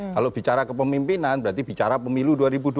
kalau bicara ke pemimpinan berarti bicara pemilu dua ribu dua puluh empat